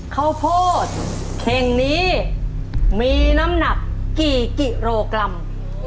ข้าวโพดเข่งนี้มีน้ำหนักกี่กิโลกรัม